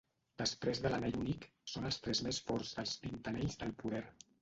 Després de l'Anell Únic, són els tres més forts dels vint Anells del Poder.